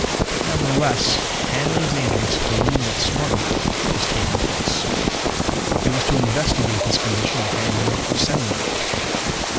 But nevertheless Hanley's agents believed that smuggling was taking place. It was to investigate this condition that Hanley was sending me.